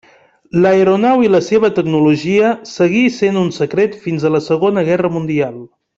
L'aeronau i la seva tecnologia seguir sent un secret fins a la Segona Guerra Mundial.